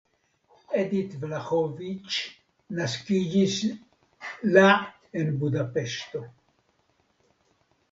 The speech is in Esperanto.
Edit Vlahovics naskiĝis la en Budapeŝto.